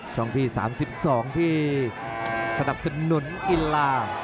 ช่องที่๓๒ที่สนับสนุนกีฬา